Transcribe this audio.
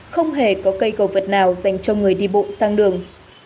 không hề có cây cầu vật nào dành cho người đi bộ sang đường